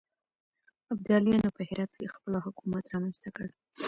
ابدالیانو په هرات کې خپلواک حکومت رامنځته کړ.